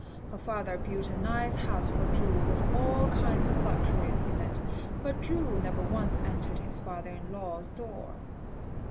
Her father built a nice house for Chu with all kinds of luxuries in it; but Chu never once entered his father in law's door.